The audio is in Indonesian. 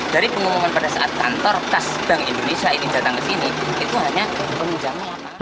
dari pengumuman pada saat kantor kas bank indonesia ini datang ke sini itu hanya penunjangnya